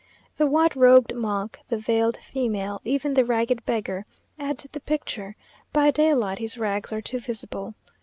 The white robed monk the veiled female even the ragged beggar, add to the picture; by daylight his rags are too visible.